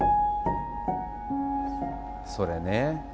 それね。